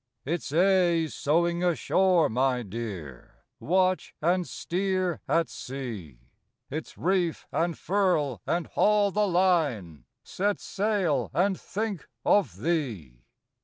It's aye sewing ashore, my dear, Watch and steer at sea, It's reef and furl, and haul the line, Set sail and think of thee.